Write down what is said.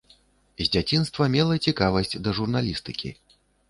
З дзяцінства мела цікавасць да журналістыкі.